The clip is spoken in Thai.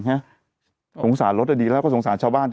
สงสารรถดีแล้วก็สงสารชาวบ้าน